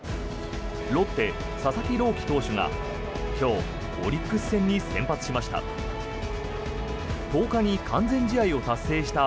ロッテ、佐々木朗希投手が今日、オリックス戦に先発しました。